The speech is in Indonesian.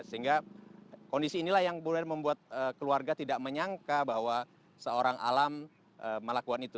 sehingga kondisi inilah yang boleh membuat keluarga tidak menyangka bahwa seorang alam melakukan itu